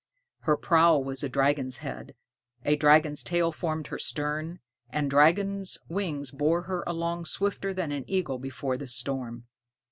Her prow was a dragon's head, a dragon's tail formed her stern, and dragon's wings bore her along swifter than an eagle before the storm.